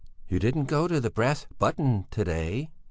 "You didn't go to the 'Brass Button' to day?"